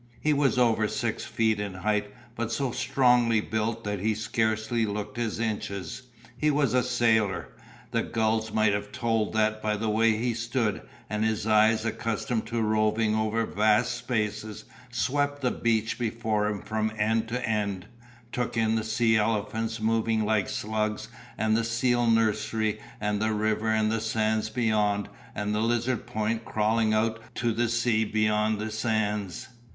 He was over six feet in height but so strongly built that he scarcely looked his inches. He was a sailor. The gulls might have told that by the way he stood, and his eyes, accustomed to roving over vast spaces, swept the beach before him from end to end, took in the sea elephants moving like slugs and the seal nursery and the river and the sands beyond and the Lizard Point crawling out to sea beyond the sands.